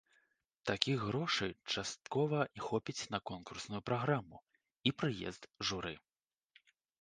Такіх грошай часткова хопіць на конкурсную праграму і прыезд журы.